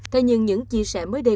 thế nhưng những chia sẻ mới đây